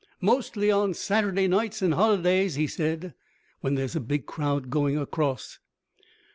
"Mostly on Saturday nights and holidays," he said, "when there's a big crowd going across."